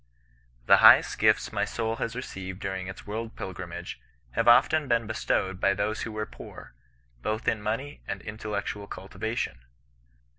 " The highest gifts my soul has received during its world pilgrimage, have often been bestowed by those who were poor, both in money and intellectual cultiva tion.